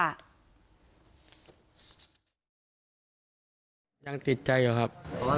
เต้นใจมรึยังติดใจเหรอครับ